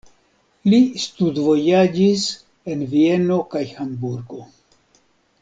Li studvojaĝis en Vieno kaj Hamburgo.